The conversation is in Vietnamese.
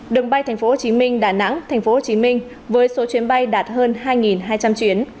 đường bay tp hcm đà nẵng tp hcm với số chuyến bay đạt hơn hai hai trăm linh chuyến